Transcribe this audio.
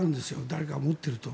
誰かが持ってると。